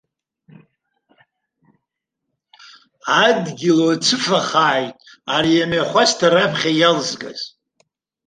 Адгьыл уацыфахааит ари амҩахәасҭа раԥхьа иалзгаз!